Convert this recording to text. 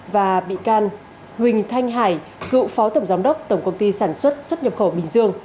và bị can huỳnh thanh hải cựu phó tổng giám đốc tổng công ty sản xuất xuất nhập khẩu bình dương